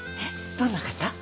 どんな方？